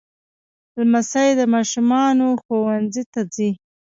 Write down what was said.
لمسی د ماشومانو ښوونځي ته ځي.